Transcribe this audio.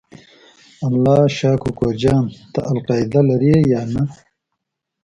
الله شا کوکو جان ته القاعده لرې یا نه؟